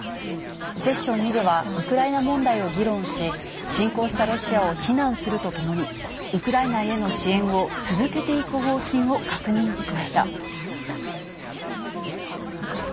セッション２では、ウクライナ問題を議論し、侵攻したロシアを非難するとともに、ウクライナへの支援を続けていく方針を確認しました。